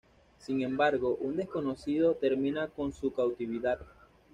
Sin embargo, un desconocido termina con su cautividad.